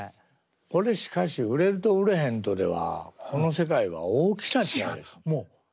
これしかし売れると売れへんとではこの世界は大きな違いです。